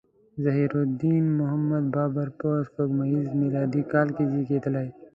ظهیرالدین محمد بابر په سپوږمیز میلادي کال کې زیږیدلی.